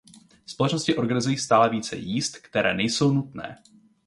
Společnosti organizují stále více jízd, které nejsou nutné.